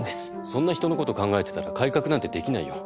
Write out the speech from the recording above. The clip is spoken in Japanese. そんな人のこと考えてたら改革なんてできないよ。